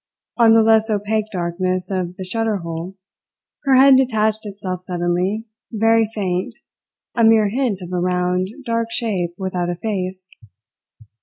On the less opaque darkness of the shutter hole, her head detached itself suddenly, very faint, a mere hint of a round, dark shape without a face.